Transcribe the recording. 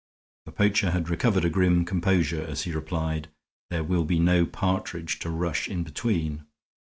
The poacher had recovered a grim composure as he replied. "There will be no partridge to rush in between."